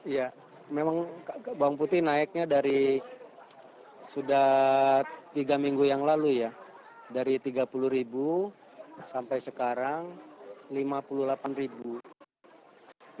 ya memang bawang putih naiknya dari sudah tiga minggu yang lalu ya dari tiga puluh sampai sekarang rp lima puluh delapan